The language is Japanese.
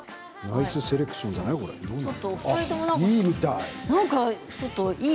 ナイスセレクションじゃない？